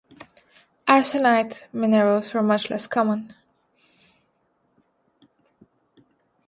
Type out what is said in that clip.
Arsenite minerals are much less common.